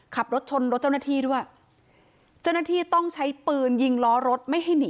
ขับรถชนรถเจ้าหน้าที่ด้วยเจ้าหน้าที่ต้องใช้ปืนยิงล้อรถไม่ให้หนี